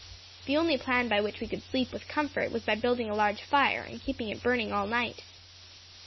The only plan by which we could sleep with comfort was by building a large fire, and keeping it burning all night."